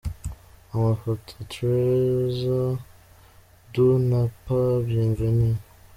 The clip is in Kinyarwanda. Amafoto: Trezor Doux na Pax Bienvenu.